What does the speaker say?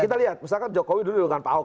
kita lihat misalkan jokowi dulu dengan pak ahok